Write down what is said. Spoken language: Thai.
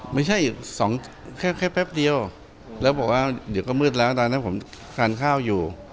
ไม่ใช่แค่แป๊บเดียวแล้วบอกว่าเดี๋ยวก็มืดแล้วตอนนั้นผมทานข้าวอยู่